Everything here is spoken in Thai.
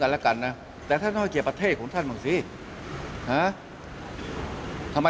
ท่านก็ให้เกียรติผมท่านก็ให้เกียรติผมท่านก็ให้เกียรติผม